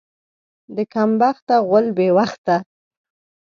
د کم بخته غول بې وخته.